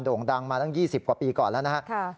่งดังมาตั้ง๒๐กว่าปีก่อนแล้วนะครับ